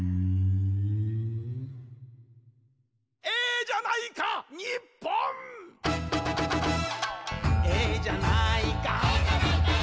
「ええじゃないか」